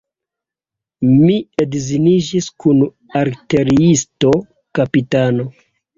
Mi edziniĝis kun artileriisto, kapitano.